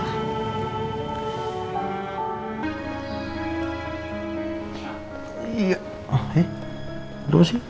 iya eh udah gak sih